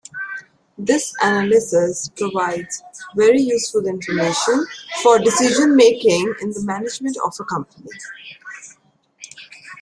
This analysis provides very useful information for decision-making in the management of a company.